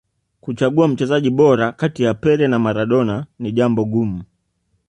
kuchagua mchezaji bora kati ya pele na maradona ni jambo gumu